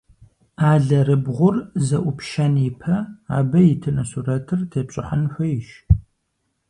Алэрыбгъур зэIупщэн ипэ, абы итыну сурэтыр тепщIыхьын хуейщ.